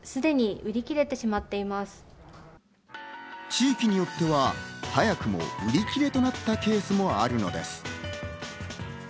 地域によっては早くも売り切れとなったケースもあるのです。